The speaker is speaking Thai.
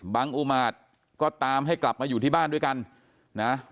อุมาตย์ก็ตามให้กลับมาอยู่ที่บ้านด้วยกันนะ